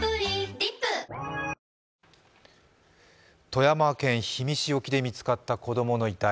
富山県氷見市の沖で見つかった子供の遺体。